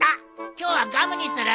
今日はガムにする。